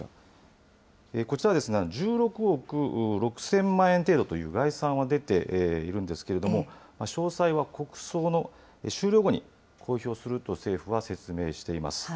こちら、１６億６０００万円程度という概算は出ているんですけれども、詳細は国葬の終了後に、公表すると政府は説明しています。